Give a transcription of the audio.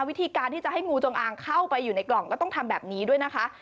วิธีการที่จะให้งูจงอางเข้าไปอยู่ในกล่องก็ต้องทำแบบนี้ด้วยนะคะ